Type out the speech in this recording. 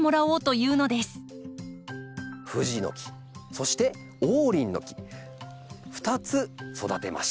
ふじの木そして王林の木２つ育てました。